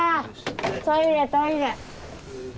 トイレトイレ。